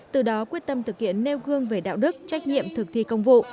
từ đó quyết tâm thực hiện nêu gương về đạo đức trách nhiệm thực thi công vụ